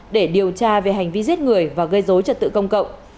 để điều tra về hành vi giết người và gây dối trật tự công cộng